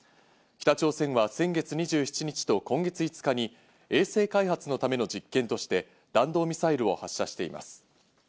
北朝鮮は先月２７日と今月５日に衛星開発のための実験として弾道ミサイルを発射しています。